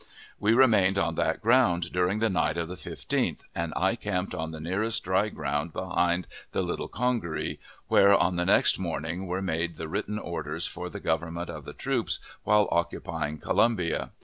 We remained on that ground during the night of the 15th, and I camped on the nearest dry ground behind the Little Congaree, where on the next morning were made the written' orders for the government of the troops while occupying Columbia.